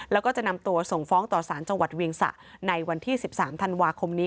แล้วก็จะนำตัวส่งฟ้องต่อสารจังหวัดเวียงสะในวันที่๑๓ธันวาคมนี้